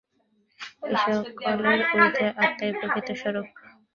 এ-সকলের ঊর্ধ্বে আত্মাই প্রকৃত স্বরূপ।